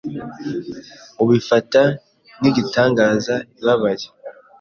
ubifata nk’igitangaza ibabaye